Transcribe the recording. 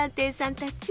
たち！